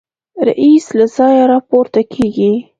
رییس له ځایه راپورته کېږي.